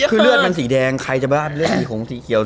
คือเลือดมันสีแดงใครจะบ้าเลือดสีผงสีเขียว